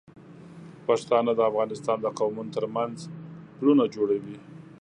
پښتانه د افغانستان د قومونو تر منځ پلونه جوړوي.